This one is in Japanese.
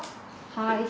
はい。